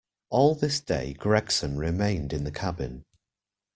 All this day Gregson remained in the cabin.